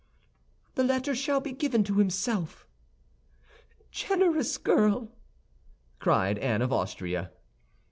"The letter shall be given to himself." "Generous girl!" cried Anne of Austria.